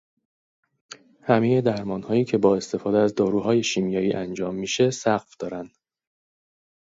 همهِ درمانهایی که با استفاده از داروهای شیمیایی انجام میشه سَقف دارن